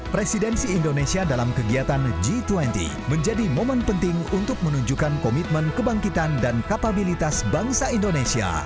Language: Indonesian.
presidensi indonesia dalam kegiatan g dua puluh menjadi momen penting untuk menunjukkan komitmen kebangkitan dan kapabilitas bangsa indonesia